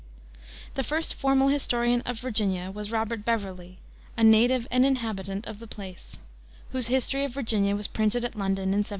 The first formal historian of Virginia was Robert Beverley, "a native and inhabitant of the place," whose History of Virginia was printed at London in 1705.